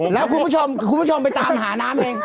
แล้วคุณผู้ชมคุณผู้ชมไปตามหาน้ำเอง